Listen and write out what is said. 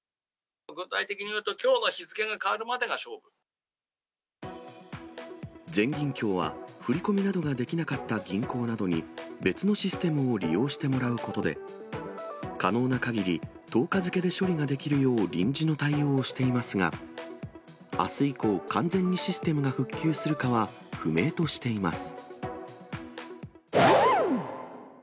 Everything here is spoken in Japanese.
具体的に言うと、全銀協は、振り込みなどできなかった銀行などに、別のシステムを利用してもらうことで、可能なかぎり１０日付で処理ができるよう、臨時の対応をしていますが、あす以降、完全にシステムが復旧するかは不明としています。